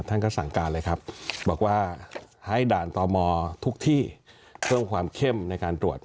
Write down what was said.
ท่านก็สั่งการเลยครับบอกว่าให้ด่านต่อมอทุกที่เพิ่มความเข้มในการตรวจ